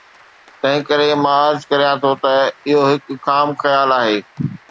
تنهن ڪري، مان عرض ڪريان ٿو ته اهو هڪ خام خيال آهي.